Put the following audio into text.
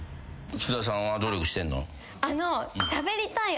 須田さんは努力してんの？